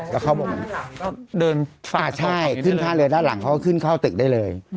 แล้วเขาบิคนานด้านหลังเขาก็เดินใช่ขึ้นข้างเรือด้านหลังเขาก็ขึ้นเข้าตึกได้เลย